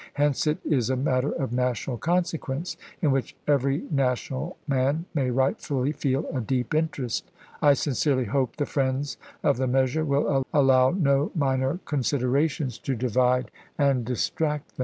Hence it is a matter of national consequence, in which every national man may rightfully feel a deep interest. I sincerely hope the friends of the measure willaUow toc?eTweu, no minor considerations to divide and distract 1864.